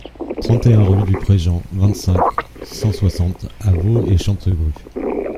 trente et un rue du Pré Jean, vingt-cinq, cent soixante à Vaux-et-Chantegrue